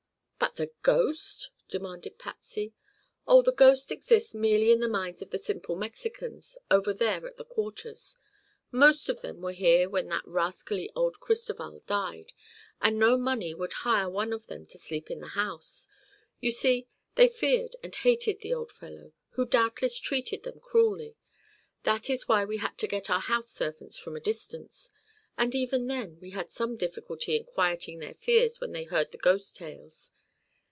"But the ghost?" demanded Patsy. "Oh, the ghost exists merely in the minds of the simple Mexicans, over there at the quarters. Most of them were here when that rascally old Cristoval died, and no money would hire one of them to sleep in the house. You see, they feared and hated the old fellow, who doubtless treated them cruelly. That is why we had to get our house servants from a distance, and even then we had some difficulty in quieting their fears when they heard the ghost tales.